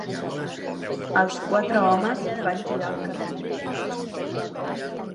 Els quatre homes van girar el carrer.